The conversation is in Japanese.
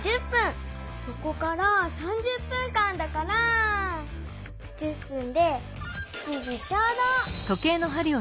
そこから３０分間だから１０分で７時ちょうど！